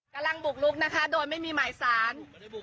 กำลังบุกลุกนะคะโดยไม่มีหมายสาร